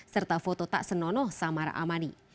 serta foto tak senonoh samara amani